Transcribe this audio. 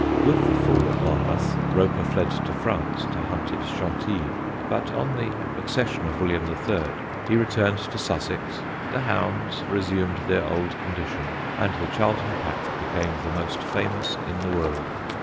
With the fall of Monmouth Roper fled to France, to hunt at Chantilly, but on the accession of William III. he returned to Sussex, the hounds resumed their old condition, and the Charlton pack became the most famous in the world.